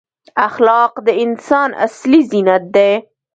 اخلاق د انسان اصلي زینت دی.